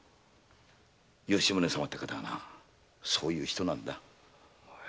吉宗様って方はなそういう人なんだよ。